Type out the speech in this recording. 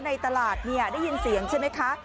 ในตลาดได้ยินเสียงใช่ไหมคะ